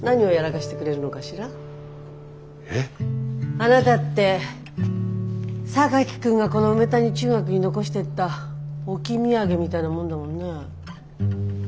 あなたって榊君がこの梅谷中学に残してった置き土産みたいなもんだもんね。